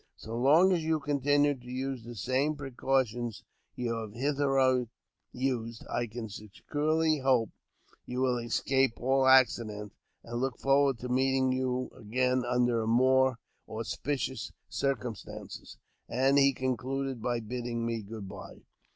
So long as you continue to use the same precaution you have hitherto used, I can securely hope you will escape all accident, and look forward to meeting you again under more auspicious circumstances ;" and he con cluded by bidding me good bye.